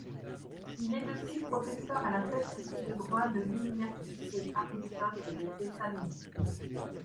Il est depuis professeur à la faculté de droit de l'université Aristote de Thessalonique.